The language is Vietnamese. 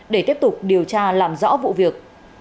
để tiếp tục điều tra làm rõ vụ việc